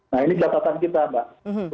nah ini catatan kita mbak